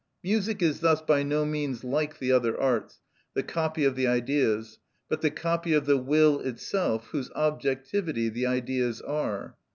Music is thus by no means like the other arts, the copy of the Ideas, but the copy of the will itself, whose objectivity the Ideas are.